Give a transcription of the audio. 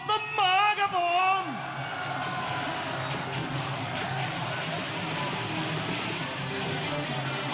กรอสมะครับผม